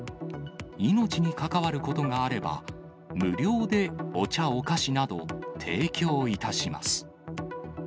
命に関わることがあれば、無料でお茶、お菓子など提供いたします。